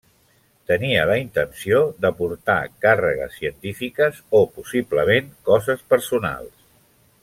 Tenia la intenció de portar càrregues científiques o, possiblement, coses personals.